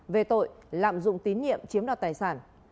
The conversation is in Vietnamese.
về tội lạm dụng tín nhiệm chiếm đoạt tài sản